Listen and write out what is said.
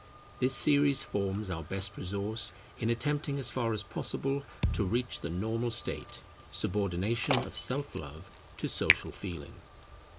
This series forms our best resource in attempting as far as possible to reach the normal state; subordination of self love to social feeling.